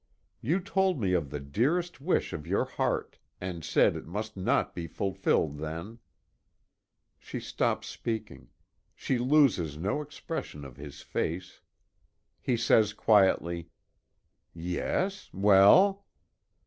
You told me of the dearest wish of your heart and said it must not be fulfilled then " She stops speaking. She loses no expression of his face. He says quietly: "Yes; well?"